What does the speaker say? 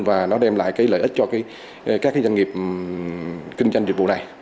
và nó đem lại cái lợi ích cho các doanh nghiệp kinh doanh dịch vụ này